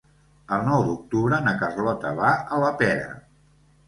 El nou d'octubre na Carlota va a la Pera.